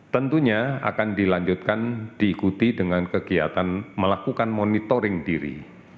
tentunya akan dilanjutkan diikuti dengan kegiatan melakukan monitoring diri